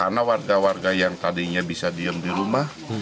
karena warga warga yang tadinya bisa diam di rumah